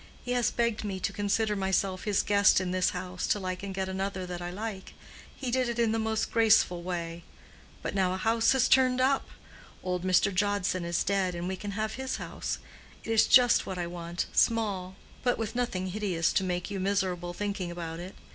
He has begged me to consider myself his guest in this house till I can get another that I like—he did it in the most graceful way. But now a house has turned up. Old Mr. Jodson is dead, and we can have his house. It is just what I want; small, but with nothing hideous to make you miserable thinking about it.